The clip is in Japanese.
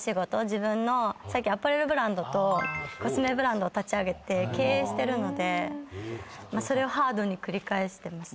自分の最近アパレルブランドとコスメブランドを立ち上げて経営してるのでそれをハードに繰り返してます。